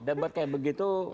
debat seperti itu